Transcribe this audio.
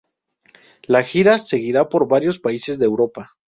La Gira seguirá por varios países de Europa.